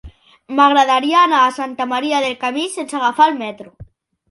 M'agradaria anar a Santa Maria del Camí sense agafar el metro.